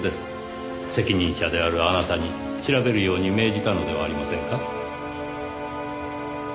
責任者であるあなたに調べるように命じたのではありませんか？